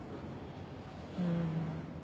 うん。